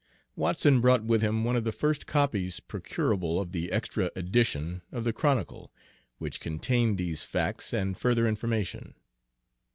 Watson brought with him one of the first copies procurable of the extra edition of the Chronicle, which contained these facts and further information.